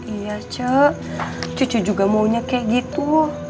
iya cak cucu juga maunya kayak gitu